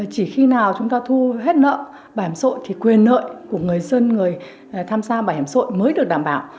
chỉ khi nào chúng ta thu hết nợ bảo hiểm xã hội thì quyền nợ của người dân người tham gia bảo hiểm xã hội mới được đảm bảo